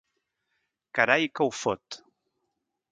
Carai que ho fot!